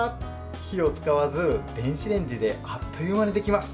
火を使わず電子レンジであっという間にできます。